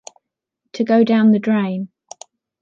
To go down the drain.